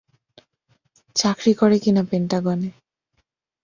চাকরি করে কিনা পেন্টাগনে!